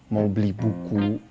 mau beli buku